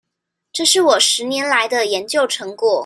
這是我十年來的研究成果